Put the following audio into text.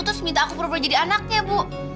terus minta aku pura pura jadi anaknya bu